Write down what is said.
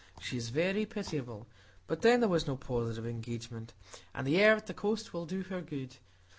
She is very pitiable; but then there was no positive engagement; and the air at the coast will do her good.